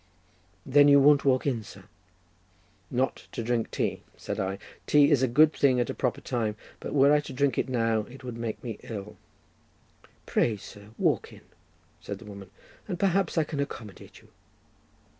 "Then you won't walk in, sir?" "Not to drink tea," said I; "tea is a good thing at a proper time, but were I to drink it now it would make me ill." "Pray, sir, walk in," said the woman, "and perhaps I can accommodate you."